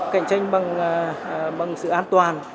cạnh tranh bằng sự an toàn